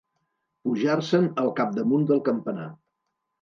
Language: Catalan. Pujar-se'n al capdamunt del campanar.